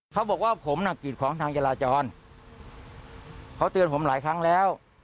เขาบอกว่าผมน่ะกรีดของทางจราจรเขาเตือนผมหลายครั้งแล้ว